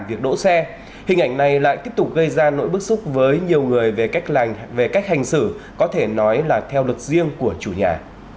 cảm việc đỗ xe hình ảnh này lại tiếp tục gây ra nỗi bức xúc với nhiều người về cách hành xử có thể nói là theo luật riêng của chủ nhà